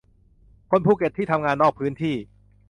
คนภูเก็ตที่ทำงานนอกพื้นที่